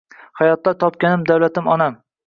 Hayotda topganim davlatim onam